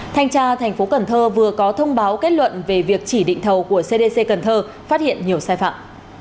thanh tra tp hcm vừa có thông báo kết luận về việc chỉ định thầu của cdc cần thơ phát hiện nhiều sai phạm